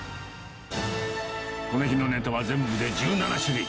この日のネタは全部で１７種類。